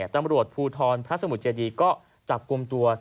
ตำรวจภูทรพระสมุทรเจดีก็จับกลุ่มตัว